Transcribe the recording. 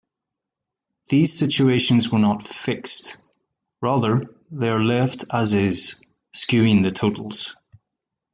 These situations were not "fixed"; rather, they are left as-is, skewing the totals.